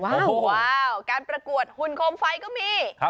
ว้าวการประกวดหุ่นโคมไฟก็มี